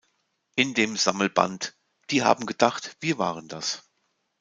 In dem Sammelband "Die haben gedacht, wir waren das.